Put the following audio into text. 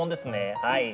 はい。